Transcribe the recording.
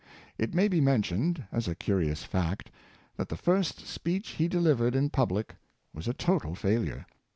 It may be mentioned, as a curious fact, that the first speech he delivered in public was a total failure.